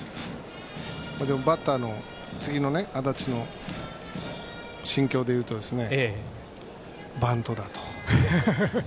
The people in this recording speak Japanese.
バッターの次の安達の心境で言うとバントだと。